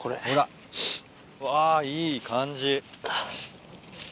ほらうわいい感じ。